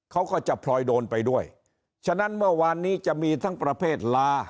เขาก็จะพลอยโดนไปด้วยฉะนั้นเมื่อวานนี้จะมีทั้งประเภทลา